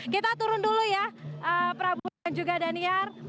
kita turun dulu ya prabu dan juga daniar